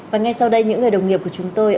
và ngay sau đây những người đồng nghiệp của chúng tôi